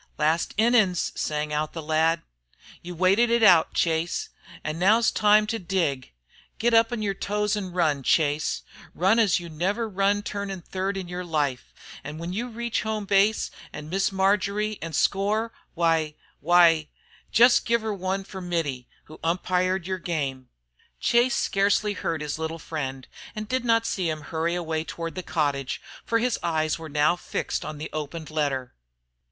"Last innin's!" Sang out the lad. "You waited it out, Chase. An' now's the time to dig. Git up on yer toes an' run, Chase, run as yer never run turnin' third in yer life, an' when yer reach home base an' Miss Marjory, an' score why why just give her one fer Mittie, who umpired yer game." Chase scarcely heard his little friend, and did not see him hurry away toward the cottage, for his eyes were now fixed on the opened letter.